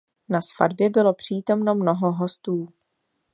Na svatbě bylo přítomno mnoho hostů.